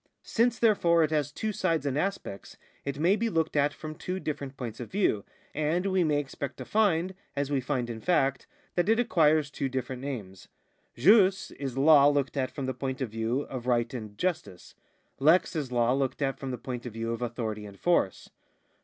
Since, therefore, it has two sides and aspects, it may be looked at from two different points of view, and we may expect to find, as we find in fact, that it acquires two different names. Jus is law looked at from the point of view of right and justice ; lex is law looked at from the point of view of authority and force.